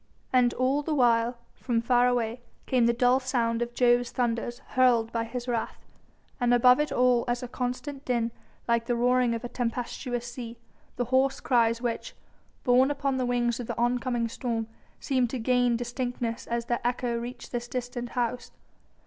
And all the while, from far away, came the dull sound of Jove's thunders hurled by his wrath, and above it as a constant din, like the roaring of a tempestuous sea, the hoarse cries which borne upon the wings of the oncoming storm seemed to gain distinctness as their echo reached this distant house.